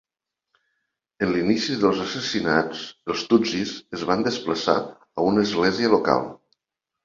En l'inici dels assassinats els tutsis es van desplaçar a una església local.